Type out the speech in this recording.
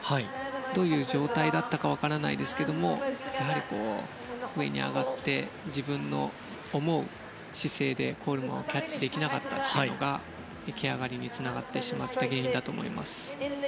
どういう状態だったかは分からないですがやはり、上に上がって自分の思う姿勢でコールマンをキャッチできなかったというのがけ上がりにつながった原因だと思います。